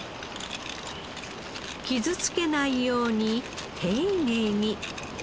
傷つけないように丁寧に。